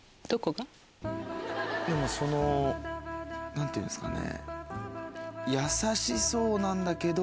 その何ていうんですかね。